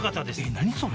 何それ？